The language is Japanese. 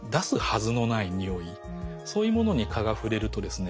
そういうものに蚊が触れるとですね